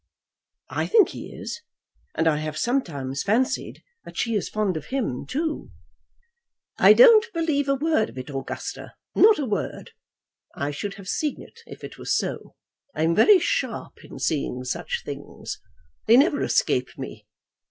"I think he is. And I have sometimes fancied that she is fond of him, too." "I don't believe a word of it, Augusta, not a word. I should have seen it if it was so. I am very sharp in seeing such things. They never escape me.